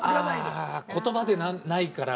ああ言葉でないから。